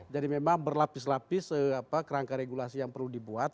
jadi memang berlapis lapis kerangka regulasi yang perlu dibuat